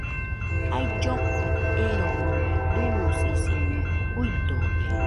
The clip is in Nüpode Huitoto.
Ailloko eromo dusisiño juidode